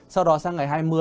sau đó sang ngày hai mươi